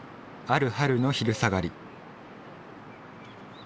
ある春の昼下がり